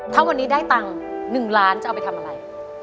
ถ้าวันนี้ได้ตั๋ง๑ล้านเจ้าไปทำอะไร